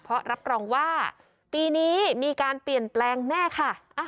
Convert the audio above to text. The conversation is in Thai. เพราะรับรองว่าปีนี้มีการเปลี่ยนแปลงแน่ค่ะ